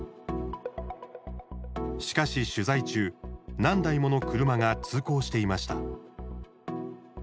しかし、取材中何台もの車が通行していました。